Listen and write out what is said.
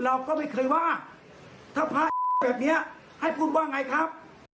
เราก็ไม่เคยว่าถ้าแบบนี้ให้คุณบอกยังไงครับ